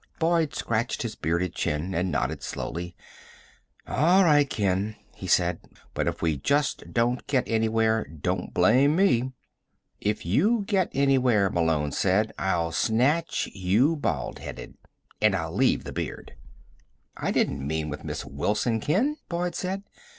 Boyd scratched his bearded chin and nodded slowly. "All right, Ken," he said. "But if we just don't get anywhere, don't blame me." "If you get anywhere," Malone said, "I'll snatch you baldheaded. And I'll leave the beard." "I didn't mean with Miss Wilson, Ken," Boyd said.